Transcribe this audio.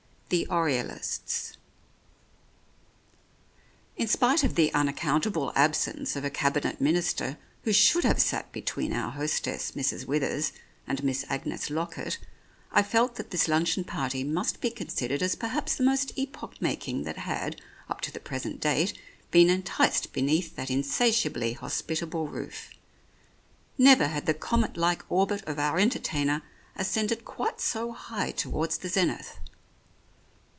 83 THE ORIOLISTS In spite of the unaccountable absence of a Cabinet Minister who should have sat between our hostess, Mrs. Withers and Miss Agnes Lockett, I felt that this luncheon party must be considered as perhaps the most epoch making that had, up to the present date, been enticed beneath that insatiably hospitable roof. Never had the comet like orbit of our enter tainer ascended quite so high towards the zenith.